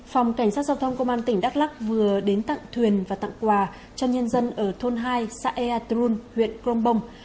phòng cảnh sát giao thông công an tỉnh đắk lắc vừa đến tặng thuyền và tặng quà cho nhân dân ở thôn hai xã ea trun huyện công bông